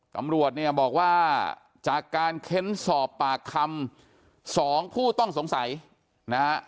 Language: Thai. ตำรวจเนี่ยบอกว่าจากการเค้นสอบปากคำ๒ผู้ต้องสงสัยนะฮะ